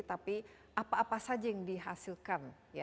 tapi apa apa saja yang dihasilkan